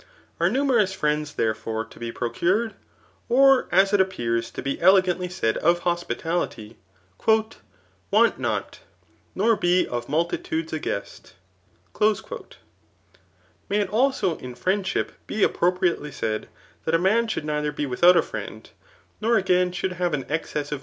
Are numerous friends, therefore, to be procured ? or, as it appears to be elegantly said of hospitality. Want not, nor be of multitudes a guest i may it also in friendship be appropriately said, that a man diould ndther be without a friend, nor again should have Digitized by Google C9AJ|^«r &THlCi. 359. a9($?